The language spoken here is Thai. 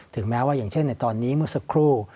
แม้ว่าอย่างเช่นในตอนนี้เมื่อสักครู่